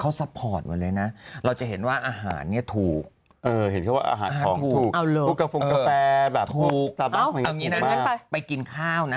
เอาอย่างนี้นะไปกินข้าวนะ